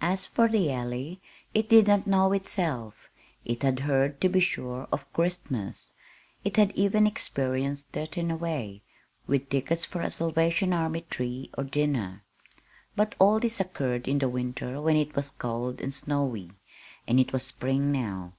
As for the Alley it did not know itself. It had heard, to be sure, of Christmas. It had even experienced it, in a way, with tickets for a Salvation Army tree or dinner. But all this occurred in the winter when it was cold and snowy; and it was spring now.